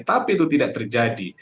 tapi itu tidak terjadi